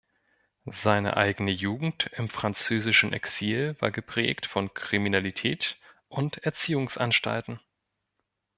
Seine eigene Jugend im französischen Exil war geprägt von Kriminalität und Erziehungsanstalten.